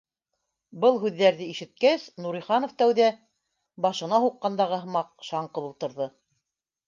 Был һүҙҙәрҙе ишеткәс, Нуриханов тәүҙә, башына һуҡ- ҡандағы һымаҡ, шаңғып ултырҙы